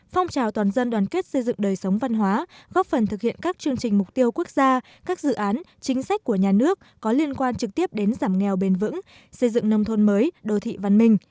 phong trào toàn dân đoàn kết xây dựng đời sống văn hóa góp phần thực hiện các chương trình mục tiêu quốc gia các dự án chính sách của nhà nước có liên quan trực tiếp đến giảm nghèo bền vững xây dựng nông thôn mới đô thị văn minh